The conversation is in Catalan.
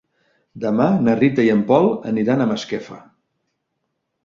Demà na Rita i en Pol aniran a Masquefa.